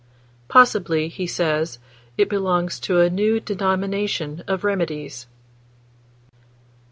Possibly, he says, it belongs to a new denomination of remedies.